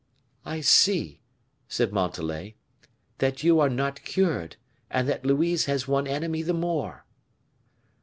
"I see," said Montalais, "that you are not cured, and that Louise has one enemy the more."